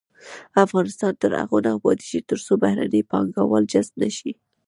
افغانستان تر هغو نه ابادیږي، ترڅو بهرني پانګوال جذب نشي.